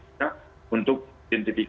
ada orang yang tetap men samnal